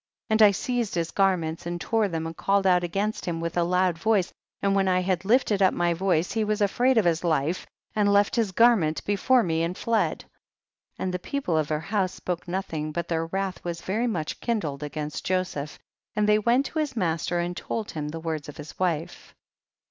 59. And I seized his garments and tore them and called out against him with a loud voice, and when I had lifted up my voice he was afraid of his life and left his garment before me, and fled. 60. And the people of her house spoke nothing, but their wrath was very much kindled against Joseph, and they went to his master and told him the words of his wife. THE BOOK OF JA.SHER. 141 61.